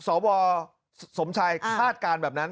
สวสมชัยคาดการณ์แบบนั้น